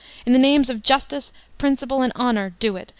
In the name of Justice, Principle, and Honor, do it!